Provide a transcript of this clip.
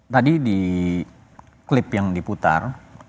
tadi di klip yang diputar